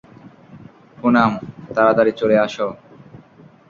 পুনাম, তারাতাড়ি চলে আসো।